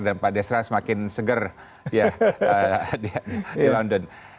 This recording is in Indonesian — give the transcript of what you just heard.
dan pak desra semakin seger di london